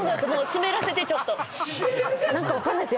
湿らせてちょっと何か分かんないです